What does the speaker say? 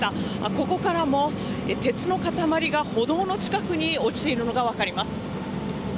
ここからも鉄の塊が歩道の近くに落ちているのが分かります。